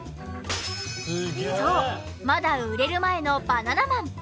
そうまだ売れる前のバナナマン。